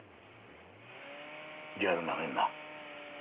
ギャルなめんな。